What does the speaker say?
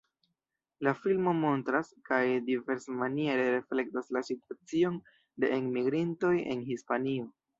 La filmo montras kaj diversmaniere reflektas la situacion de enmigrintoj en Hispanio.